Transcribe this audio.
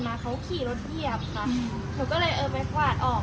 หนูก็เลยเออไม้กวาดออก